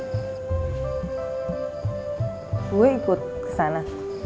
gue ikut kesana